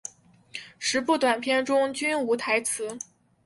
十部短片中均无台词。